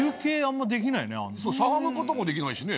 しゃがむこともできないしね。